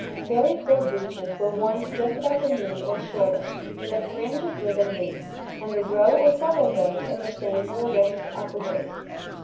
Very full breeches were worn to just about the knee or shorter, with a fringe of ribbon loops, and a row or several rows of the same were arranged at the waist.